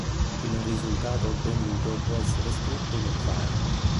Il risultato ottenuto può essere scritto in un file.